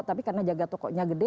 tapi karena jaga tokonya gede